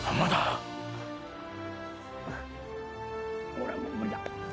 俺はもう無理だ。